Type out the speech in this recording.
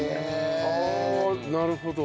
はあなるほど。